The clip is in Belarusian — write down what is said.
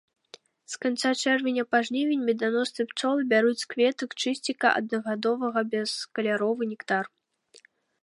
З канца чэрвеня па жнівень меданосныя пчолы бяруць з кветак чысціка аднагадовага бескаляровы нектар.